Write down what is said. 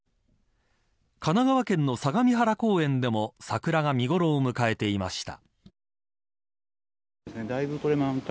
神奈川県の相模原公園でも桜が見頃を迎えていました。